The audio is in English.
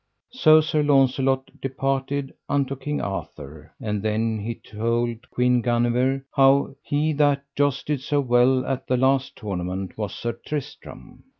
So Sir Launcelot departed unto King Arthur; and then he told Queen Guenever how he that jousted so well at the last tournament was Sir Tristram.